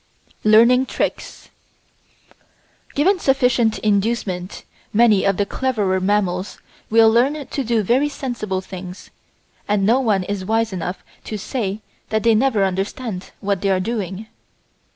Learning Tricks Given sufficient inducement many of the cleverer mammals will learn to do very sensible things, and no one is wise enough to say that they never understand what they are doing.